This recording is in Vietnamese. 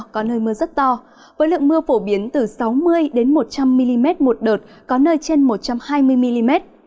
có nơi mưa rất to với lượng mưa phổ biến từ sáu mươi một trăm linh mm một đợt có nơi trên một trăm hai mươi mm